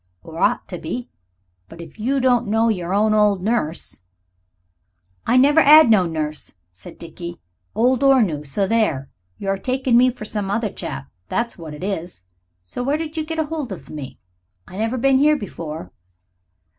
Or ought to be. But if you don't know your own old nurse " "I never 'ad no nurse," said Dickie, "old nor new. So there. You're a takin' me for some other chap, that's what it is. Where did you get hold of me? I never bin here before."